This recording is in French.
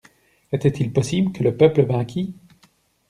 Était-il possible que le peuple vainquît?